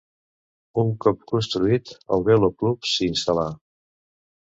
Un cop construït, el Velo Club s'hi instal·là.